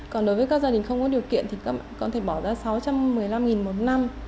còn đối với các gia đình không có điều kiện thì con thể bỏ ra sáu trăm một mươi năm một năm